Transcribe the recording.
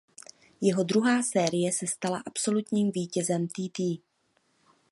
Jeho druhá série se stala Absolutním vítězem TýTý.